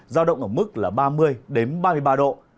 giao động ở mức là ba mươi ba mươi ba độ